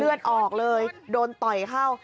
เลือดออกเลยโดนต่อยเข้า